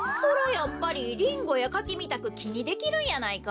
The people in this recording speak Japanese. やっぱりリンゴやカキみたくきにできるんやないか？